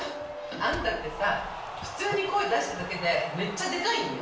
あんたってさ、普通に声出しただけで、めっちゃでかいんよ。